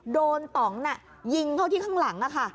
ตองยิงเข้าที่ข้างหลัง